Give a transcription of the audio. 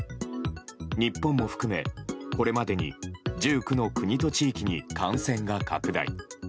日本も含めこれまでに１９の国と地域に感染が拡大。